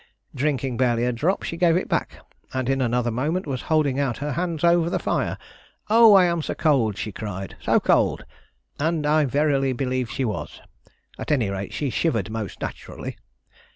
Drinking barely a drop, she gave it back, and in another moment was holding out her hands over the fire. 'Oh, I am so cold!' she cried, 'so cold.' And I verily believe she was. At any rate, she shivered most naturally.